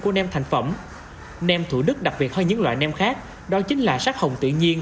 của nêm thành phẩm nêm thủ đức đặc biệt hơn những loại nêm khác đó chính là sắc hồng tự nhiên